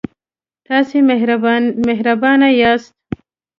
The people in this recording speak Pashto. تاسې مهربانه یاست.